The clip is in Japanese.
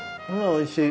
おいしい！